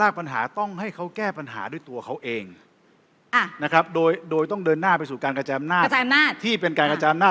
เรียนเข้าใจคุณอาธวิทย์ถูกไหมวะ